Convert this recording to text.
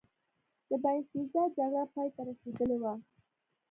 د باینسزا جګړه پایته رسېدلې وه.